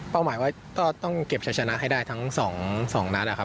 เป้าหมายว่าก็ต้องเก็บชะชนะให้ได้ทั้งสองนัด